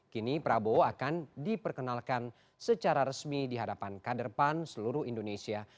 kini prabowo akan diperkenalkan secara resmi di hadapan kader pan seluruh indonesia